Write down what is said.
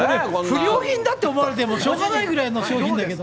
不良品だって思われてもしょうがないぐらいの商品だけど。